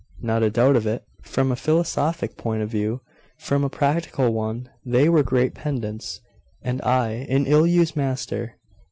'Not a doubt of it, from a philosophic point of view; from a practical one they were great pedants, and I an ill used master.